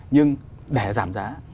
nhưng để giảm giá